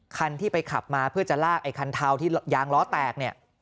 คันที่ไปขับมาเพื่อจะลากไอ้คันเทาที่ยางล้อแตกเนี่ย